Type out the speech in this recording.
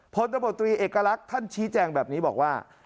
พตเอกลักษณ์ท่านชี้แจงแบบนี้บอกว่า